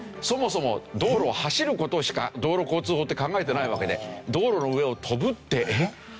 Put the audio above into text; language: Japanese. そもそも道路を走る事しか道路交通法って考えてないわけで道路の上を飛ぶってえっ？